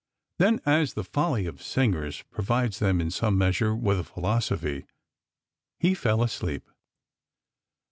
Then, as the folly of singers provides them in some measure with a philosophy, he fell asleep.